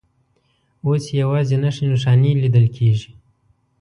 اوس یې یوازې نښې نښانې لیدل کېږي.